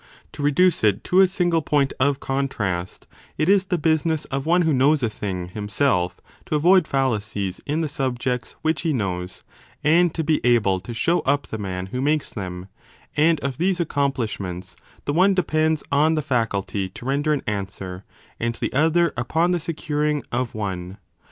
To reduce it to a single point 25 of contrast it is the business of one who knows a thing, himself to avoid fallacies in the subjects which he knows and to be able to show up the man who makes them ; and of these accomplishments the one depends on the faculty to render an answer, and the other upon the securing of one.